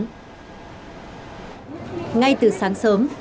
hà nội đã bắt đầu tiêm cho học sinh khối lớp chín